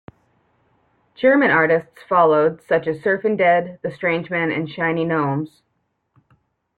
German artists followed, such as Surfin' Dead, The Strangemen and Shiny Gnomes.